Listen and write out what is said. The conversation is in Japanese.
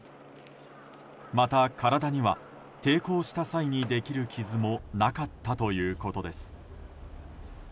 また、体には抵抗した際にできる傷もなかったということです。